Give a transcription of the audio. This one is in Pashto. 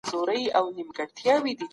تاریخي آثار زموږ د پلرونو نښې دي.